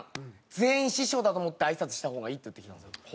全員師匠だと思ってあいさつした方がいい」って言ってきたんですよ。